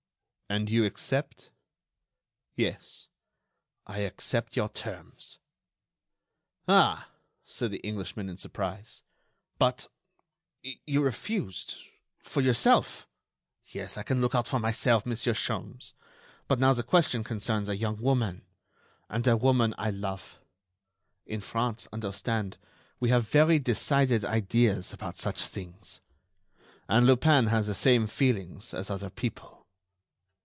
"And you accept?" "Yes; I accept your terms." "Ah!" said the Englishman, in surprise, "but ... you refused ... for yourself——" "Yes, I can look out for myself, Monsieur Sholmes, but now the question concerns a young woman ... and a woman I love. In France, understand, we have very decided ideas about such things. And Lupin has the same feelings as other people."